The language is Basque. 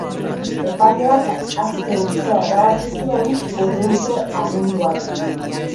Epaileak aske uztea erabaki zuen, urruntze-aginduarekin.